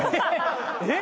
えっ！？